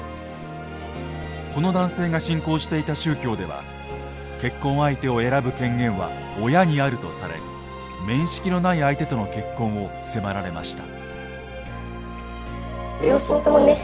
この男性が信仰していた宗教では結婚相手を選ぶ権限は親にあるとされ面識のない相手との結婚を迫られました。